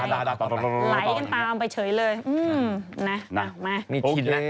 ไหลกันตามไปเฉยเลยอื้อน่ะมาโอเค